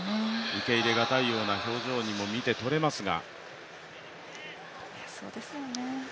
受け入れがたいような表情にも、見て取れますが。